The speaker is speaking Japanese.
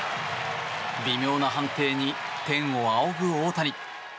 微妙な判定に天を仰ぐ大谷。